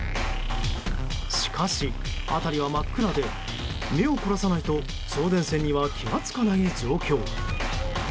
しかし辺りは真っ暗で目を凝らさないと送電線には気が付かない状況。